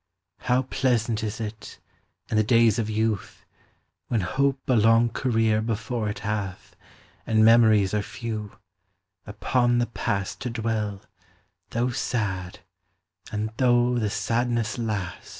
How pleasant is it, in the days of youth, When hope a long career before it hath, And memories are few, upon the past To dwell, though sad, and though the sadness last!